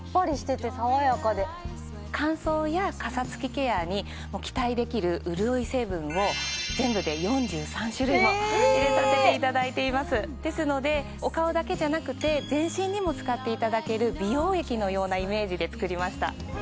乾燥やカサつきケアに期待できる潤い成分を全部で４３種類も入れさせていただいていますですのでお顔だけじゃなくて全身にも使っていただける美容液のようなイメージで作りました